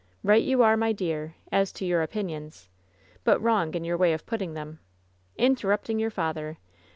Eight you are, my dear, as to your opinions, but wrong in your way of putting them. In terrupting your father.